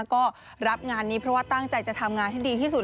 ก็รับงานนี้เพราะว่าตั้งใจจะทำงานให้ดีที่สุด